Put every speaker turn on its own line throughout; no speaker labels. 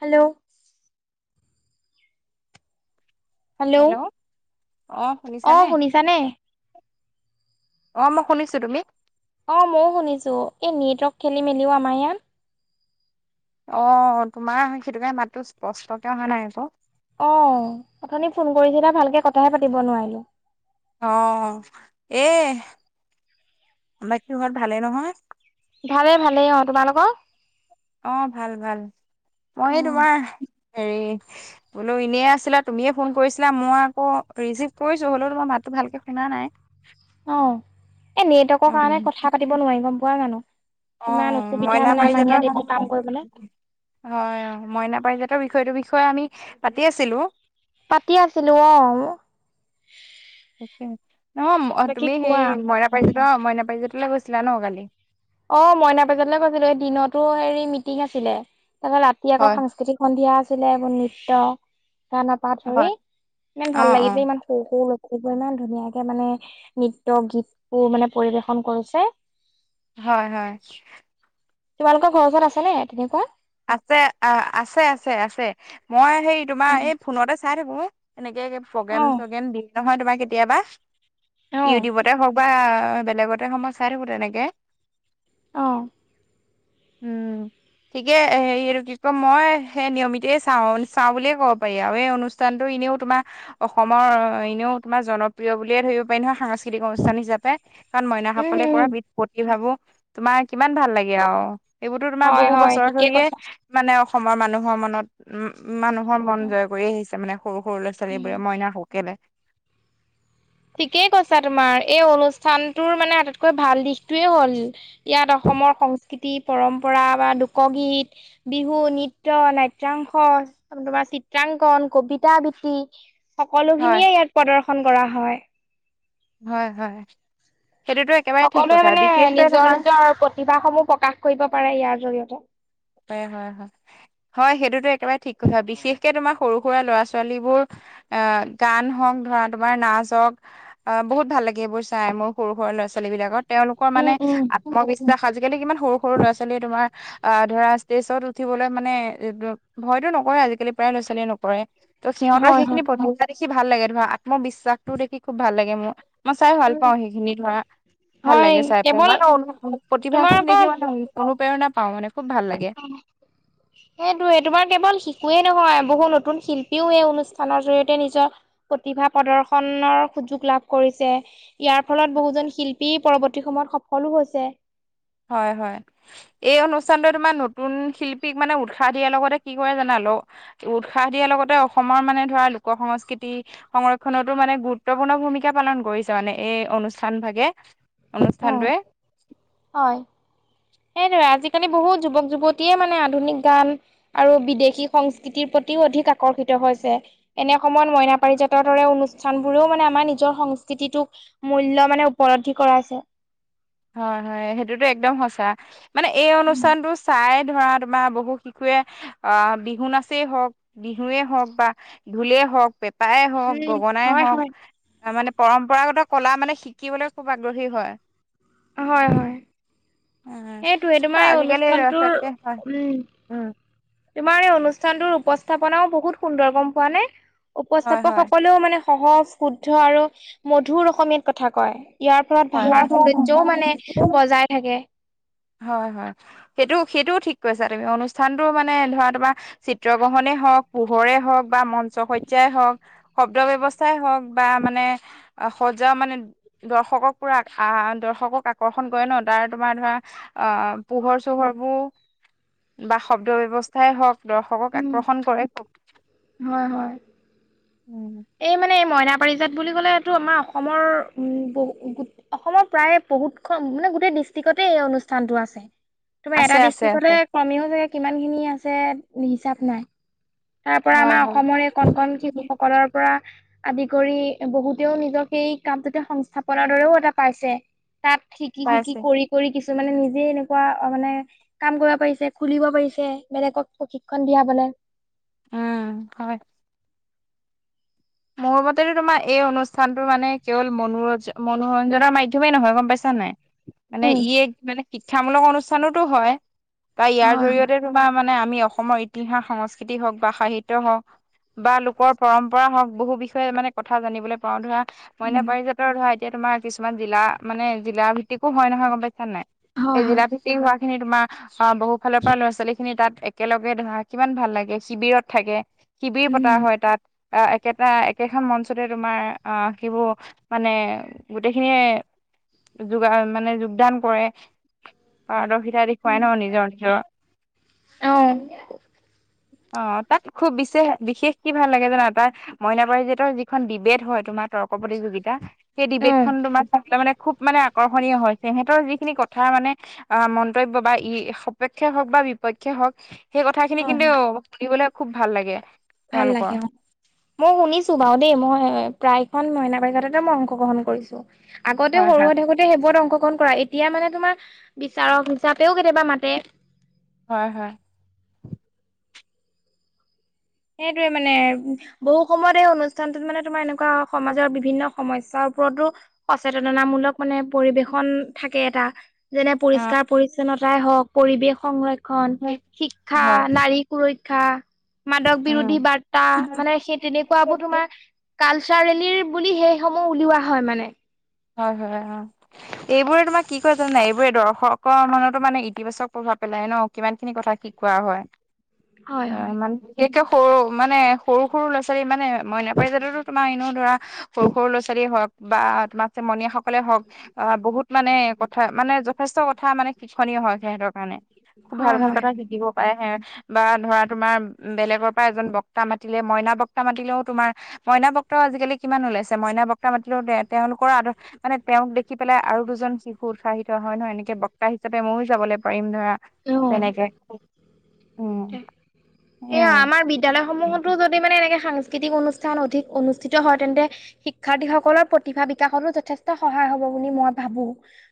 Hello.
Hello অহ।
অহ, শুনিছানে?
অহ, মই শুনিছোঁ। তুমি?
অহ, মইয়ো শুনিছোঁ। এই নেটৱৰ্ক খেলি মেলি অহ, আমাৰ ইয়াত।
অহ, তোমাৰ সেইটো কাৰণে মাতটো স্পষ্টকে অহা নাই আকৌ।
অহ, অথনি ফোন কৰিছিলা ভালকে কথাহে পাতিব নোৱাৰিলোঁ।
অহ, এ বাকী ঘৰত ভালে নহয়?
ভালে ভালেই অহ। তোমালোকৰ?
অহ, ভাল-ভাল। মই এই তোমাৰ হেৰি বোলো এনেই আছিলা, তুমিয়ে ফোন কৰিছিলা, মই আকৌ ৰিচিভ কৰিছোঁ হ'লেও তোমাৰ মাতটো ভালকে শুনা নাই।
অহ, এই নেটৱৰ্কৰ কাৰণে কথা পাতিব নোৱাৰি গম পোৱা জানোঁ।
অ
কিমান অসুবিধা
মইনা
মানে আমাৰ
পাৰিজাতৰ
ইয়াত এইবোৰ কাম কৰিবলে।
হয় অহ, মইনা পাৰিজাতৰ বিষয়টোৰ বিষয়ে আমি পাতি আছিলোঁ।
পাতি আছিলোঁ অহ।
তাকে অহ,
বাকী
তুমি সেই
কোৱা
মইনা পাৰিজাতৰ, মইনা পাৰিজতলৈ গৈছিলা ন' কালি।
অহ, মইনা পাৰিজাতলৈ গৈছিলোঁ এই দিনতো হেৰি মিটিং আছিলে তাৰপা ৰাতি আকৌ
হয়
সাংস্কৃতিক সন্ধিয়া আছিলে এইবোৰ নৃত্য গানৰপা ধৰি
হয়
ইমান
অ
ভাল
অ
লাগিছে, ইমান সৰু-সৰু ল'ৰা-ছোৱালীবিলাকে ইমান ধুনীয়াকে মানে নৃত্য, গীতবোৰ মানে পৰিবেশন কৰিছে।
হয়, হয়।
তোমালোকৰ ঘৰ ওচৰত আছেনে তেনেকুৱা?
আছে অহ, আছে-আছে-আছে। মই হেৰি তোমাৰ
অ',
এই ফোনতে চাই থাকোঁ। এনেকে
অ',
প্ৰগ্ৰেম-চগ্ৰেম দম নহয় তোমাৰ কেতিয়াবা।
অ',
ইউটিউবতে হওঁক বা বেলেগতে হওঁক মই চাই থাকোঁ তেনেকে।
অহ।
উম। গতিকে হেৰি এইটো কি কয়। মই সেই নিয়মিতেয় চাওঁ, চাওঁ বুলিয়ে ক'ব পাৰি আৰু এই অনুষ্ঠানটো এনেও তোমাৰ অসমৰ এনেও তোমাৰ জনপ্ৰিয় বুলিয়ে ধৰিব পাৰি নহয় সাংস্কৃতিক অনুষ্ঠান হিচাপে। কাৰণ
উম,
মইনাসকলে
উম,
কৰা বিত প্ৰতিভাবোৰ তোমাৰ কিমান ভাল লাগে আৰু এইবোৰতো তোমাৰ
হয়,
বহু বছৰ
হয়, ঠিকেই
ধৰিয়ে
কৈছা।
মানে অসমৰ মানুহৰ মনত উম, মানুহৰ মন
উম,
জয় কৰি আহিছে মানে সৰু-সৰু ল'ৰা-ছো ছোৱালীবোৰে মইনাসকলে।
ঠিকেই কৈছা তোমাৰ, এই অনুষ্ঠানটোৰ মানে আটাইতকৈ ভাল দিশটোৱে হ'ল। ইয়াত অসমৰ সংস্কৃ, তি পৰম্পৰা বা লোকগীত বিহু, নৃত্য, নাট্যাংশ, তোমাৰ চিত্ৰাংকন, কবিতা আবৃত্তি
হয়
সকলোখিনিয়ে ইয়াত প্ৰদৰ্শন কৰা হয়।
হয়, হয়। সেইটোতো এ
সকলোৱে মানে নিজৰ নিজৰ প্ৰতিভাস সমূহ প্ৰকাশ কৰিব পাৰে ইয়াৰ জৰিয়তে।
হয়, হয়। হয়, সেইটোতো একেবাৰে ঠিক কথা বিশেষকে তোমাৰ সৰু সুৰা ল'ৰা ছোৱালীবোৰ অ, গান হওঁক ধৰা তোমাৰ নাচ হওক অ, বহুত ভাল লাগে এইবোৰ চাই মোক সৰু সুৰা লৰা ছোৱালী বিলাকৰ তেওঁলোকৰ
উম
মানে
উম
মই বিশ্বাস আজিকালি কিমান সৰু সৰু ল'ৰা ছোৱালী তোমাৰ, আহ ধৰা ষ্টেজত উঠিবলৈ মানে ভয়তো নকৰে আজিকালি প্ৰায় ল'ৰা ছোৱালীয়ে নকৰে। ত' সিহঁতৰ
হয়
সেইখিন
হয়।
[unintelligible] দেখি ভাল লাগে ধৰা আত্মবিশ্বাস টো দেখি খুব ভাল লাগে মোৰ। মই চাই ভাল
উম
পাওঁ সেইখিনি ধৰা ভাল
হয়
লাগে চাই
কেৱল
[unintelligible] প্ৰতিভা
তোমাৰ
খিনি
আকৌ
দেখিব মানে [unintelligible] প্ৰেৰণা পাওঁ মানে খুব ভাল লাগে।
[unintelligible] সেইটোৱে তোমাৰ কেৱল শিশুৱেই নহয় বহু নতুন শিল্পীও এই অনুষ্ঠানৰ জৰিয়তে নিজৰ প্ৰতিভা প্ৰদৰ্শনৰ সুযোগ লাভ কৰিছে। ইয়াৰ ফলত বহুজন শিল্পী পৰৱৰ্তী সময়ত সফলোঁ হৈছে।
হয়, হয়। এই অনুষ্ঠানটো তোমাৰ নতুন শিল্পীক মানে উৎসাহ দিয়াৰ লগতে কি কৰে জানা, [unintelligible] উৎসাহ দিয়াৰ লগতে অসমৰ মানে ধৰা লোক সংস্কৃতি, সংৰক্ষনতো মানে গুৰুত্বপূৰ্ণ ভূমিকা পালন কৰিছে মানে, এই অনুষ্ঠান ভাগে। অনুষ্ঠানটোৱে।
হয়। সেইটোৱে আজিকালি বহুত যুৱক যুৱতীয়ে মানে আধুনিক গান আৰু বিদেশী সংস্কৃতিৰ প্ৰতিও অধিক আকৰ্ষিত হৈছে। এনে সময়ত মইনা পাৰিজাতৰ দৰে অনুষ্ঠানবোৰেও মানে আমাৰ নিজৰ সংস্কৃতিটোক মূল্য মানে উপলব্ধি কৰাইছে।
হয়, হয়, সেইটোতো একদম সঁচা, মানে এই
উম,
অনুষ্ঠানতটো চাই ধৰা তোমাৰ বহুত শিশুৱে আহ, বিহু নাচেই হওক বিহুৱেই হওক বা ঢোলে হওক, পেঁপাই হওক, গগনাই
হয়,
হওক,
হয়,
তাৰমানে পৰম্পৰাগত কলা মানে শিকিবলৈ খুব আগ্ৰহী হয়।
হয়, হয়।
উম
সেইটোৱে, তোমাৰ এই
আজিকালি ল'ৰা
অনুষ্ঠানটোৰ,
ছোৱালীয়ে হয়
উম,
উম
তোমাৰ এই অনুষ্ঠানটোৰ উপস্থাপনাও বহুত সুন্দৰ, গম পোৱা নে?
হয় হয়
উপস্থাপকসকলেও মানে সহজ, শুদ্ধ আৰু মধুৰ অসমীয়াত কথা কয়, ইয়াৰ ফলত
হয়
ভাষাৰ
হয়
সৌন্দৰ্য্যও মানে বজাই থাকে।
হয়, হয়, সেইটো-সেইটোও ঠিক কৈছা তুমি অনুষ্ঠানতটো মানে ধৰা তোমাৰ চিত্ৰ গ্ৰহনে হওক, পোহৰে হওক বা মঞ্চ শজাই হওক শব্দ ব্যৱস্থাই হওক বা মানে সজাও মানে দৰ্শকক পুৰা আহ দৰ্শকক আকৰ্ষণ কৰে ন তাৰ তোমাৰ ধৰা আহ, পোহৰ চোহৰবোৰ বা শব্দ ব্যৱস্থাই হওক, দৰ্শকক
উম।
আকৰ্ষণ কৰে খুব।
হয় হয়
উম,
এই মানে এই মইনা পাৰিজাত বুলি ক'লে এইটো আমাৰ অসমৰ উম, বহু অসমৰ প্ৰায় বহুতখন মানে গোটেই ডিষ্ট্ৰিক্টতে এই অনুষ্ঠানটো আছে। তোমাৰ এটা
আছে আছে
ডিষ্ট্ৰিক্টতে
আছে
কমেও চাগৈ কিমানখিনি আছে হিচাপ নাই। তাৰ পৰা
হয়
আমাৰ
হয়
অসমৰে এই কণ-কণ শিশু সকলৰ পৰা আদি কৰি বহুতেও নিজক এই কামটোতে সংস্থাপনৰ দৰেও এটা পাইছে। তাত শিকি, শিকি
পাইছে
কৰি, কৰি কিছুমানে নিজে এনেকুৱা মানে কাম কৰিব পাৰিছে, খুলিব পাৰিছে, বেলেগক প্ৰশিক্ষন দিয়া বলে।
উম, হয়। মোৰ মতেতো তোমাৰ এই অনুষ্ঠানটো মানে কেৱল মনোৰ-মনোৰঞ্জনৰ মাধ্যমেই নহয় গম পাইছা নাই? মানে
উম
ই এক মানে শিক্ষামূলক অনুষ্ঠানোতো হয়, [unintelligible] ইয়াৰ
হয় হয়
জৰিয়তে তোমাৰ মানে আমি অসমৰ ইতিহাস সংস্কৃতি হওঁক বা সাহিত্য হওক, বা লোকৰ পৰম্পৰা হওক বহু বিষয়ে মানে কথা জানিবলৈ পাও ধৰা, মইনা
উম
পাৰিজাত ধৰা এতিয়া তোমাৰ কিছুমান জিলা মানে জিলা ভিত্তিকো হয় নহয় গম পাইছা নাই?
হয়
সেই
হয়
জিলা ভি তি হোৱাখিনি তোমাৰ অ' বহু ফালৰপৰা ল'ৰা ছোৱালীখিনি তাত একেলগে ধৰা, কিমান ভাল লাগে শিবিৰত থাকে। শিবিৰ
উম
পতা হয় তাত, আ একেটা একেখন মঞ্চতে তোমাৰ আ, কিবোৰ মানে গোটেইখিনিয়ে যোগা মানে যোগদান কৰে। পাৰদৰ্শিতা দেখুৱাই ন' নিজৰ নিজৰ?
অ
অ' তাত খুব বিশেষ বিশেষ কি ভাল লাগে জানা তাৰ মইনা পাৰজিতৰ যিখন ডিবেড হয় তোমাৰ তৰ্ক প্ৰতিযোগিতা সেই
অ
ডিবেটখন তোমাৰ চাবে মানে খুব মানে আকৰ্ষণীয় হৈছে, সিহঁতৰ যিখিনি কথা মানে আ, মন্তব্য বা ই সপেক্ষে হওক বা বিপক্ষে হওক সেই কথাখিনি
হয়
কিন্তু
হয়
সি বুলে খুব ভাল লাগে।
ভাল লাগে
তেওঁলোকৰ
অ'। মই শুনিছোঁ বাৰু দেই, মই প্ৰায়খন মইনা বাৰিঘাটতে মই অংশগ্ৰহণ কৰিছোঁ। আগতে
হয়
সৰু
হয়
হৈ থাকোঁতে সেইবোৰত অংশগ্ৰহণ কৰা, এতিয়া মানে তোমাৰ বিচাৰক হিচাপেও কেতিয়াবা মাতে।
হয় হয়।
সেইটোৱে মানে বহু সময়ত এই অনুষ্ঠানটোত মানে তোমাৰ এনেকুৱা সমাজৰ বিভিন্ন সমস্যাৰ ওপৰতো সচেতনামূলক মানে পৰিবেশন থাকে এটা। যেনে
অ
পৰিষ্কাৰ পৰিচ্ছন্নতাই হওক, পৰিৱেশ সংৰক্ষণ,
হয়
শিক্ষা, নাৰী সুৰক্ষা, মাদক বিৰোধী
উম
বাৰ্তা মানে সেই তেনেকুৱাবোৰ তোমাৰ কালচাৰেলিৰ বুলি সেইসমূহ উলিওৱা হয় মানে।
হয় হয়, অ'। এইবোৰে তোমাৰ কি কয় জানা এইবোৰে দৰ্শকৰ মনতো মানে ইতিবাচক প্ৰভাৱ পেলাই ন' কিমান খিনি কথা শি শিকোৱা হয়,
হয়
আ,
হয়
মান বিশেষকে সৰু মানে সৰু সৰু ল'ৰাৱালী মানে মইনাপাৰী জাদৰতো তোমাৰ এনেও ধৰা সৰু সৰু ল'ৰা ছোৱালীয়ে হওক বা তোমাৰ সমনীয়াসকলে হওক আ, বহুত মানে কথা মানে য যথেষ্ট কথা মানে শিক্ষণীয় হয় সিহঁতৰ কাৰণে, খুব ভাল
হয়
ভাল কথা
হয়
শিকিব পাৰে বা ধৰা তোমাৰ বেলেগৰপৰা এজন বক্তা মাতিলে, মইনা বক্তা মাতিলেও তোমাৰ মইনা বক্তা আজিকালি কিমান ওলাইছে, মইনা বক্তা মাতিলেও তেওঁলোক কৰা মানে, তেওঁক দেখি পেলাই আৰু দুজন শিশু উৎসাহী হয় ন' এনেকে বক্তা হিচাপে ময়ো যাবলৈ পাৰিম ধৰা তেনেকে। উম সেয়াই
সেইয়া
আৰু
আমাৰ বিদ্যালয় সমূহতো যদি মানে এনেকে সাংস্কৃতিক অনুষ্ঠান অধিক অনুষ্ঠিত হয় তেন্তে শিক্ষাৰ্থীসকলৰ প্ৰতিভা বিকাশতো যথেষ্ট সহায় হ'ব বুলি মই ভাবোঁ।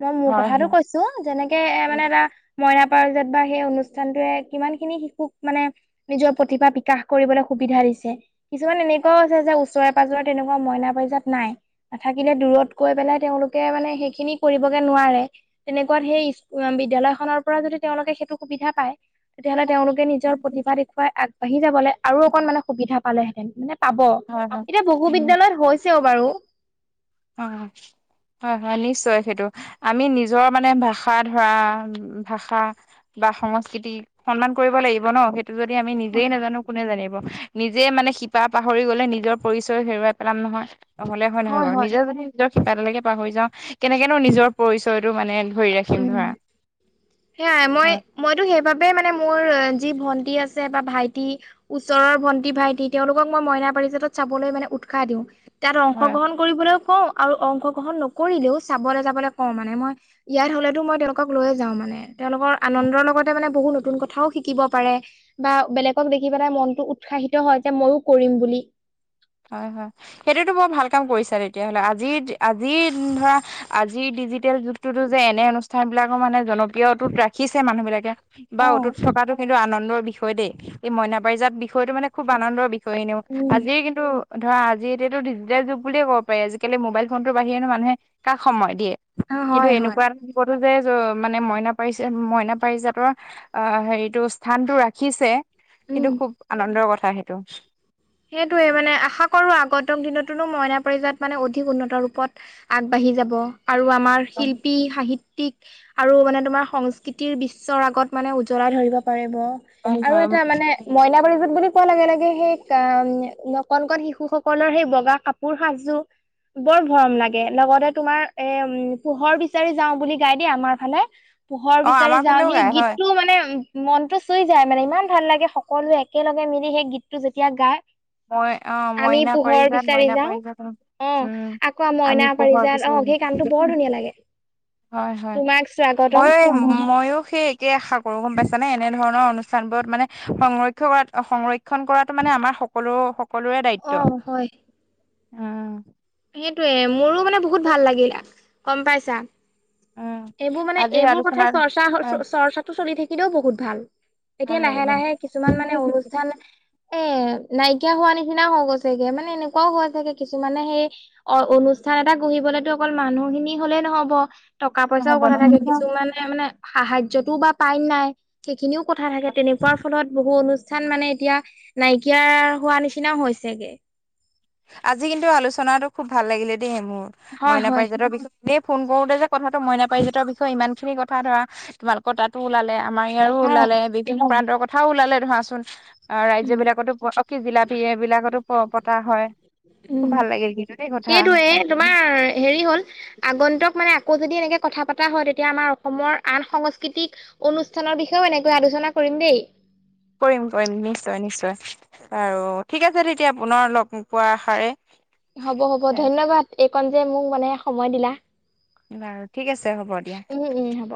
মই মোৰ
হয়
কথাটো
হয়
কৈছোঁ যেনেকে এ, মানে এটা মইনা পাৰজাত বা সেই অনুষ্ঠানটে কিমান খিনি শিশুক মানে নিজৰ প্ৰতিভা বিকাশ কৰিবলৈ সুবিধা দিছে। কিছুমান এনেকুৱাও আছে যে ওচৰে পাজৰে তেনেকুৱা মইনা পাৰজাত নাই। নাথাকিলে দূৰত গৈ পেলাই তেওঁলোকে মানে সেইখিনি কৰিবগে নোৱাৰে। তেনেকুৱাত সেই বিদ্যালয়খনৰপৰা যদি তেওঁলোকে সেইটো সুবিধা পায় তেতিয়াহ'লে তেওঁলোকে নিজৰ প্ৰতিভা দেখুৱাই আগবাঢ়ি যাবলৈ আৰু অকণ মানে সুবিধা পালেহেঁতেন মানে পাব,
হয় হয়
এতিয়া বহু
উম
বিদ্যয়ালয়ত হৈছেও বাৰু।
অ'। হয় হয়, নিশ্চয় সেইটো, আমি নিজৰ মানে ভাষা ধৰা ভাষা বা সংস্কৃতি সন্মান কৰিব লাগিব ন' সেইটো যদি আমি নিজেই নাজানো কোনে জানিব, নিজেই মানে শিপা পাহৰি গ'লে নিজৰ পৰিচয় হেৰুৱাই পেলাম নহয়। নহ'লে হয় নহয় বাৰু? নিজে যদি নিজৰ শিপাডালকে পাহৰি যাওঁ কেনেকেনো নিজৰ পৰিচয়টো মানে ধৰি ৰাখি
উম, সেয়াই মই
হয়
মইতো সেইবাবেই মানে মোৰ যি ভন্টি আছে বা ভাইটি ওচৰৰ ভণ্টি, ভাইটি তেওঁলোকক মই মইনা পাৰিজাতত চাবলৈ মানে উৎসাহ দিওঁ। তাত
হয়
অংশগ্ৰহণ কৰিবলৈও কওঁ, আৰু অংশগ্ৰহণ নকৰিলেও চাবলৈ যাবলৈ কওঁ মানে, মই ইয়াত হ'লেতো মই তেওঁলোকক লৈয় যাওঁানে, তেওঁলোকৰ আনন্দৰ লগতে মানে বহুত নতুন কথাও শিক শিকিব পাৰে, বা বেলেগক দেখি পেলাই মনতটো উৎসাহিত হয় যে মইো কৰিম বুলি।
হয় হয়, সেইটোতো বৰ ভাল কাম কৰিছা তেতিয়াহ'লে, আজি আজি ধৰা আজিৰ ডিজিটেল যুগটোতো যে এনে অনুষ্ঠান বিলাকো মানে জনপ্ৰিয়তত ৰাখিছে মানুহ বিলাকে বা
অ
অতুত থকাটো কিন্তু আনন্দৰ বিষয় দেই, এই মইনা বাৰিজাত বিষয়টো মানে খুব আনন্দৰ বিয় হয় এনেও
উম।
আজি কিন্তু ত ধৰা আজি এতিয়াতো দিজিটেল যুগু বুলিয়েই কব পাৰি, আজিকালি মোবাইল ফোনটোৰ বাহিৰেনো মানুহে কাক সময় দিয়ে,
অ
কিন্তু
হয় হয়
এনেকুৱা এটা তো যে মানে মইনা পাৰিছে, মইনা পাৰিজাতৰ আহ, হেৰিটো স্থানতটো ৰাখিছে, কিন্তু
উম।
খুব আনন্দৰ কথা সেইটো।
সেইটোৱে মানে আশা কৰোঁ, আগতক দিনতনো মইনা পাৰিজাত মানে অধিক উন্নত ৰূপত আগবাঢ়ি যাব, আৰু আমাৰ শিল্পী সাহিত্যয়িক আৰু মানে তোমাৰ সংস্কৃতিৰ বিশ্বৰ আগত মানে উজ্বলাই ধৰিব পাৰিব।
হয়
আৰু
হয়
এটা মানে মইনা পাৰিজাত বুলি বুলি কোৱা লগে লগে সেই ক নকলন কন শিশু সকলৰ সেই বগা কাপোৰ সাজো বৰ মৰম লাগে লগতে তোমাৰ এ, উ পোহৰ বিচাৰি যাওঁ বুলি গাই দিয়ে আমাৰ ফালে। পোহৰ
অ
বিচাৰি
আমাৰ
যাওঁ
ফালেও
সেই
গাই হয়
গীতটো মানে মনতটো চুই যায় মানে, ইমান ভাল লাগে সকলোৱে একেলগে মিলি সেই গীতটো যেতিয়া গায়।
মই অ' মইনা পৰিজাত, মইনা
যাওঁ
পৰিজাত অ' উম,
আকৌ মইনা
আমি পোহৰ
পাৰিজাত অ সেই গানটো বৰ
বিচাৰিম [unintelligible]
ধুনীয়া লাগে
হয় হয়,
তোমাক স্বাগতম
মই মইো সেই ে আশা কৰো গম পাইছানে, এনেধৰণৰ অনুষ্ঠান বোৰত মানে, সংৰক্ষ কৰা সংৰক্ষন কৰাতো মানে আমাৰ সকলো, সকলোৰে
অ
দায়িত্ব।
হয়।
উম।
সেইটোৱে মোৰো মানে বহুত ভাল লাগিলে, গম পাইছা। এইবোৰ, মানে
আজিৰ
এইবোৰ কথা
আলোচনাত
চৰ্চা চৰ্চাটো চলি থাকিলেও বহুত ভাল।
ভাল
এতিয়া
লাগিব
লাহে লাহে কিছুমান মানে অনুষ্ঠান এ নাইকিয়া হোৱা নিচিনা হৈ গৈছেগে, মানে এনেকুৱাও হৈ চগে কিছুমানে, সেই অ' অনুষ্ঠান এটা গহিবলেতো অকল মানুহ খিনি হলেই নহব। টকা পইচাও
হ'ব
কথা থাকে,
নহ'ব
কিছুমানে মানে সাহা্যতটোও বা পাই নাই। সেইখিনিও কথা থাকে তেনেকুৱাৰ ফলত বহু অনুষ্ঠ চান মানে, এতিয়া নাইকিয়া হোৱা নিচিনাও হৈছেগে।
আজি কিন্তু আলোচনাটো খুব ভাল লাগিলে দেই মোৰ,
হয়
মইনা
হয়
পাৰিজাতৰ বিষ দেই ফোন কৰোতে যে কথাটো মইনা পাৰিজাতৰ বিষয়ে ইমান খিনি কথা ধৰা তোমালোকৰ তাতো ওলালে আমাৰ ইয়াৰো
অ
ওলালে, বিভিন্ন প্ৰান্তৰ কথাও ওলালে ধৰাচোন। অ'
উম
ৰাজ্য বিলাকতো প কি জিলা এই বিলাকতো পতা হয়। খুব
উম,
ভাল লাগিল কিন্তু দেই কথা
সেইটয়ে
পাতি।
তোমাৰ হেৰি হ'ল। আগন্তুক মানে আকৌ যদি এনেকৈ কথা পতা হয়, তেতিয়া আমাৰ অসমৰ আন সংস্কৃতিক অনুষ্ঠানৰ বিষয়েও এনেকৈ আলোচনা কৰিম দেই।
কৰিম কৰিম, নিশ্চয় নিশ্চয়। আৰু ঠিক আছে তেতিয়া পুনৰ লগ পোৱা আশাৰে
হ'ব হ'ব, ধন্যবাদ, এইকণ যে মোক মানে সময় দিলা।
বাৰু ঠিক আছে হ'ব দিয়া।
উম উম, হ'ব।